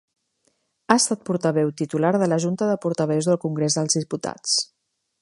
Ha estat portaveu titular de la Junta de Portaveus del Congrés dels Diputats.